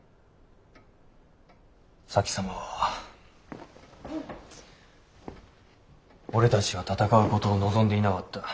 前様は俺たちが戦うことを望んでいなかった。